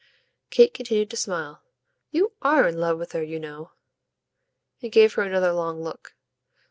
Kate continued to smile. "You ARE in love with her, you know." He gave her another long look.